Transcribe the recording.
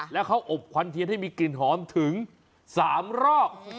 แล้วเขาอบควันเทียนให้มีกลิ่นหอมถึง๓รอบ